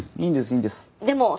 いいんです。